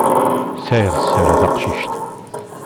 Tesɛiḍ sser a taqcict.